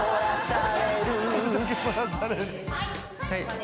はい。